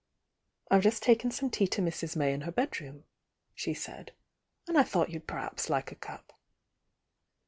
"I've just taken some tea to Mrs. May in her bed room," she said. "And I thought you'd perhaps like a cup."